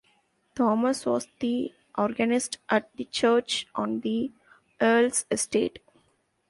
Thomas was the organist at the church on the Earl's estate.